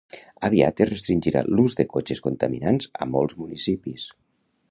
Aviat es restringirà l'ús de cotxes contaminants a molts municipis.